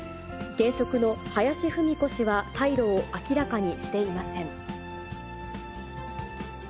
現職の林文子氏は態度を明らかにしていません。